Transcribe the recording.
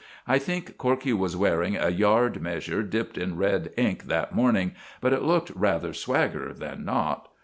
I think Corkey was wearing a yard measure dipped in red ink that morning, but it looked rather swagger than not.